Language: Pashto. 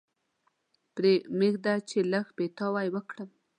پرې مېږده چې لږ پیتاوی وکړم.